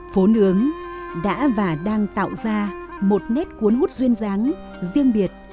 phố nướng đã và đang tạo ra một nét cuốn hút duyên dáng riêng biệt